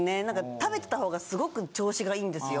食べてた方がすごく調子がいいんですよ。